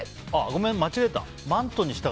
ごめん、間違えた。